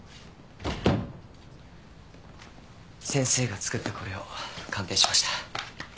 先生が作ったこれを鑑定しました。